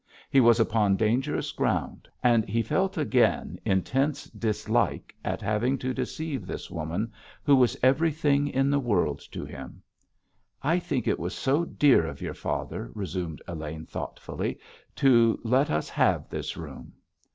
He was upon dangerous ground, and he felt again intense dislike at having to deceive this woman, who was everything in the world to him. "I think it was so dear of your father," resumed Elaine thoughtfully, "to let us have this room."